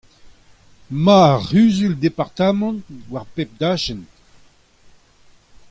Emañ ar Cʼhuzul-departamant war bep tachenn !